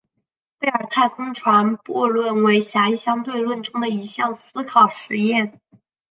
贝尔太空船悖论为狭义相对论中的一项思考实验。